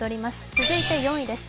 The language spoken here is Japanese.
続いて４位です。